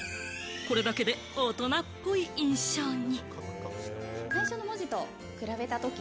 これだけで大人っぽい印象に。